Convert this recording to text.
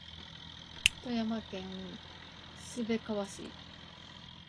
富山県滑川市